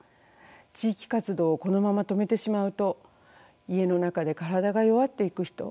地域活動をこのまま止めてしまうと家の中で体が弱っていく人